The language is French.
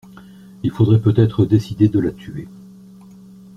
Il faudrait peut-être décider de la tuer.